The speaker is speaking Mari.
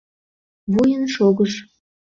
Вуйын шогыш.